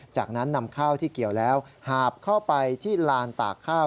จากนั้นนำข้าวที่เกี่ยวแล้วหาบเข้าไปที่ลานตากข้าว